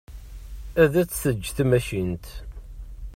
Ad tt-teǧǧ tmacint.